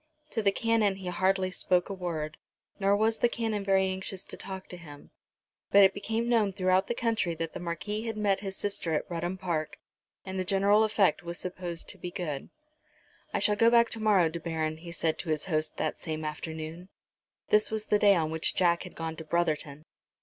To the Canon he hardly spoke a word, nor was the Canon very anxious to talk to him. But it became known throughout the country that the Marquis had met his sister at Rudham Park, and the general effect was supposed to be good. "I shall go back to morrow, De Baron," he said to his host that same afternoon. This was the day on which Jack had gone to Brotherton.